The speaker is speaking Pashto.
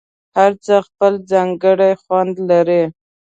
هر څه خپل ځانګړی خوند لري.